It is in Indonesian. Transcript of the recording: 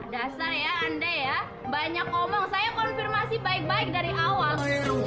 dasar ya anda ya banyak ngomong saya konfirmasi baik baik dari awal